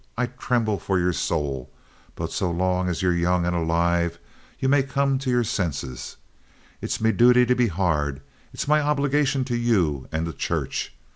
I tremble for yer soul; but so long as ye're young and alive ye may come to yer senses. It's me duty to be hard. It's my obligation to you and the Church.